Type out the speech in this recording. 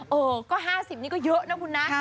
โอ้โหก็๕๐นี่ก็เยอะนะคุณนะ